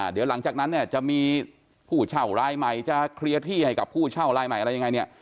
เดี๋ยวหลังจากนั้นเนี่ยจะมีผู้เช่ารายใหม่จะเคลียร์ที่ให้กับผู้เช่ารายใหม่อะไรยังไงเนี่ย